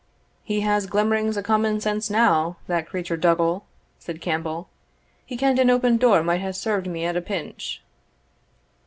"He has glimmerings o' common sense now, that creature Dougal," said Campbell. "he ken'd an open door might hae served me at a pinch."